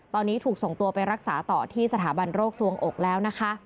ตอนนี้ถูกส่งตัวไปรักษาต่อที่สถาบันโรคสวงอกแล้วนะคะ